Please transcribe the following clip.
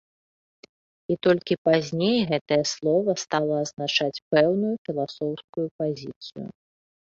І толькі пазней гэтае слова стала азначаць пэўную філасофскую пазіцыю.